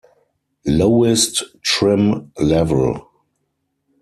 Lowest trim level.